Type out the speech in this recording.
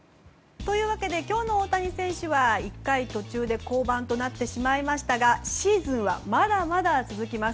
というわけで今日の大谷選手は１回途中で降板となってしまいましたがシーズンはまだまだ続きます。